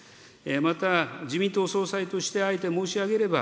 また、自民党総裁としてあえて申し上げれば、